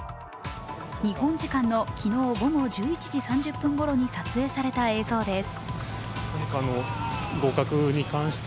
日本時間の昨日午後１１時３０分ごろに撮影された映像です。